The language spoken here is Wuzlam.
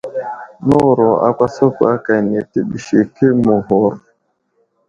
Nəwuro akwaskwa akane təɓəske məghur.